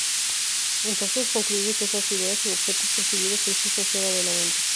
Entonces concluye que esas ideas u objetos percibidos existen fuera de la mente.